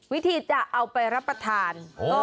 วิธีจะเอาไปรับประทาน